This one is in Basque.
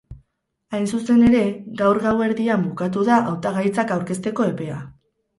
Hain zuzen ere, gaur gauerdian bukatu da hautagaitzak aurkezteko epea.